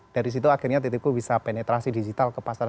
dari situ akhirnya titipku bisa penetrasi digital kembali